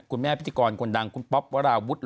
พิธีกรคนดังคุณป๊อปวราวุฒิ